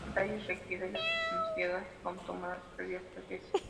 La batalla es reñida y las posiciones aliadas son tomadas y perdidas tres veces.